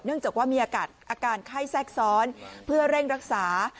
จากว่ามีอาการไข้แทรกซ้อนเพื่อเร่งรักษา